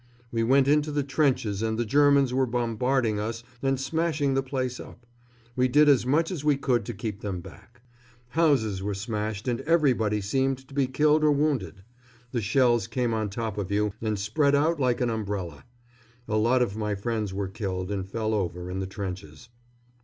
We went into the trenches, and the Germans were bombarding us and smashing the place up. We did as much as we could to keep them back. Houses were smashed and everybody seemed to be killed or wounded. The shells came on top of you and spread out like an umbrella. A lot of my friends were killed and fell over in the trenches.